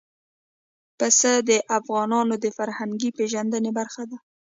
پسه د افغانانو د فرهنګي پیژندنې برخه ده.